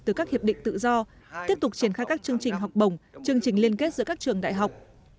từ các hiệp định tự do tiếp tục triển khai các chương trình học bổng chương trình liên kết giữa các trường đại học